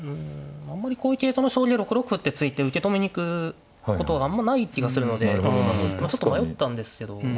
あんまりこういう系統の将棋で６六歩って突いて受け止めに行くことあんまりない気がするのでちょっと迷ったんですけど。